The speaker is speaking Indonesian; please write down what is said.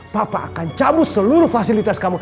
papa akan cabut seluruh fasilitas kamu